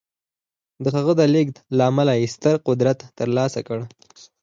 د هغه د لېږد له امله یې ستر قدرت ترلاسه کړ